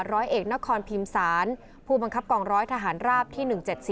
ร้อยเอกนครพิมศาลผู้บังคับกองร้อยทหารราบที่๑๗๔